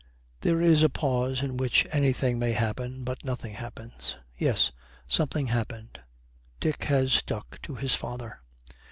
There is a pause in which anything may happen, but nothing happens. Yes, something happened: Dick has stuck to his father.